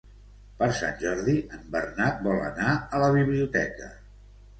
Per Sant Jordi en Bernat vol anar a la biblioteca.